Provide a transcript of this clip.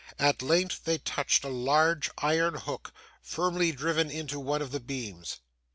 At length, they touched a large iron hook, firmly driven into one of the beams.